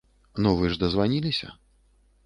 Ну вы ж дазваніліся?